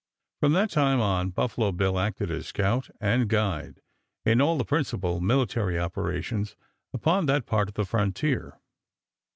From that time on Buffalo Bill acted as scout and guide in all the principal military operations upon that part of the frontier.